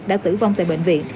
đã tử vong tại bệnh viện